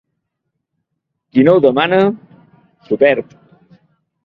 Qui no ho demana s'ho perd.